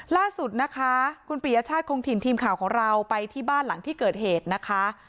ล่าสุดนะคะคุณปียชาติคงถิ่นทีมข่าวของเราไปที่บ้านหลังที่เกิดเหตุนะคะ